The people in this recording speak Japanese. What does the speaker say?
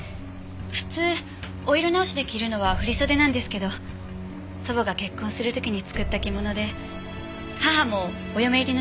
普通お色直しで着るのは振り袖なんですけど祖母が結婚する時に作った着物で母もお嫁入りの時に着たんです。